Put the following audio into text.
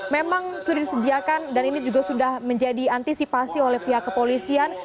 memang sudah disediakan dan ini juga sudah menjadi antisipasi oleh pihak kepolisian